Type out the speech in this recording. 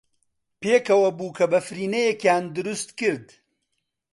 پێکەوە بووکەبەفرینەیەکیان دروست کرد.